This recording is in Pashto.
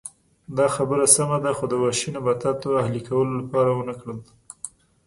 دا خبره سمه ده خو د وحشي نباتاتو اهلي کولو لپاره ونه کړل